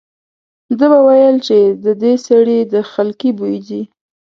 ده به ویل چې د دې سړي د خلقي بوی ځي.